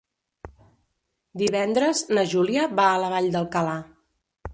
Divendres na Júlia va a la Vall d'Alcalà.